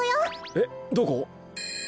えっどこ？